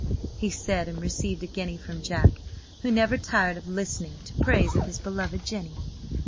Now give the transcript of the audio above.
he said, and received a guinea from Jack, who never tired of listening to praise of his beloved Jenny.